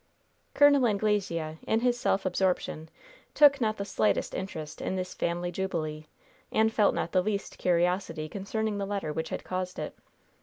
Col. Anglesea, in his self absorption, took not the slightest interest in this family jubilee and felt not the least curiosity concerning the letter which had caused it.